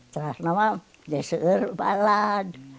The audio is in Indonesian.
terus nama deser balad